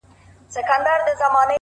د ستني سر چــي د ملا له دره ولـويـــږي”